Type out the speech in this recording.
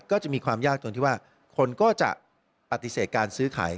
ก็จะมีความยากตรงที่ว่าคนก็จะปฏิเสธการซื้อขาย